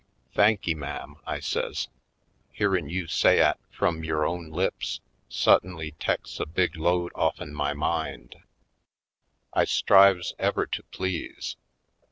"Thanky, ma'am," I says, "hearin' you say 'at frum yore own lips su'ttinly teks a big load ofifen my mind. I strives ever to please.